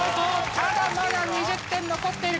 ただまだ２０点残っている。